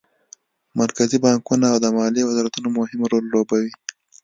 مرکزي بانکونه او د مالیې وزارتونه مهم رول لوبوي